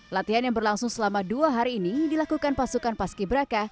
latihan yang berlangsung selama dua hari ini dilakukan pasukan paski braka